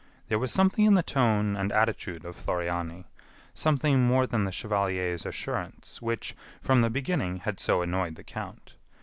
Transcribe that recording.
There was something in the tone and attitude of Floriani something more than the chevalier's assurance which, from the beginning, had so annoyed the count.